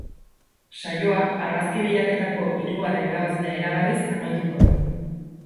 Saioa argazki lehiaketako hirugarrren irabazlea iragarriz amaituko da.